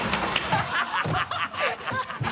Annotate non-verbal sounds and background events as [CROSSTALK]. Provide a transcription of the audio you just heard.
ハハハ [LAUGHS]